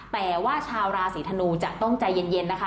แต่ว่าชาวราศีธนูจะต้องใจเย็นนะคะ